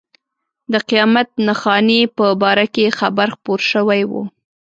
د قیامت نښانې په باره کې خبر خپور شوی و.